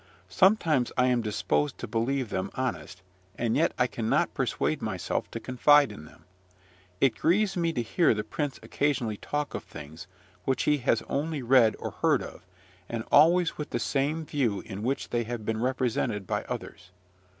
Sometimes I am disposed to believe them honest, and yet I cannot persuade myself to confide in them. It grieves me to hear the prince occasionally talk of things which he has only read or heard of, and always with the same view in which they have been represented by others.